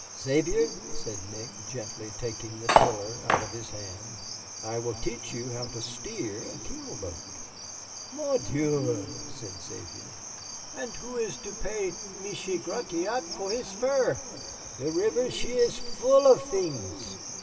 "Xavier," said Nick, gently taking the tiller out of his hand, "I will teach you how to steer a keel boat." "Mon Dieu," said Xavier, "and who is to pay Michié Gratiot for his fur? The river, she is full of things."